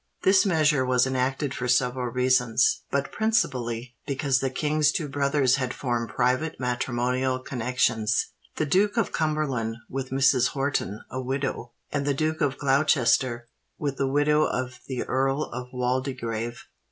This measure was enacted for several reasons; but principally because the King's two brothers had formed private matrimonial connexions,—the Duke of Cumberland with Mrs. Horton, a widow—and the Duke of Gloucester with the widow of the Earl of Waldegrave."